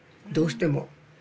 どうしても。